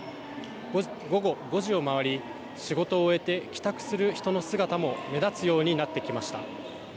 午後５時を回り仕事を終えて帰宅する人の姿も目立つようになってきました。